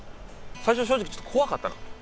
最初正直ちょっと怖かったな。